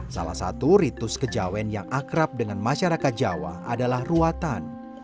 salah satu ritus kejawen yang akrab dengan masyarakat jawa adalah ruatan